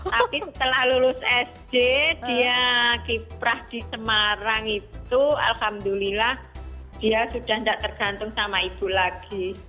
tapi setelah lulus sd dia kiprah di semarang itu alhamdulillah dia sudah tidak tergantung sama ibu lagi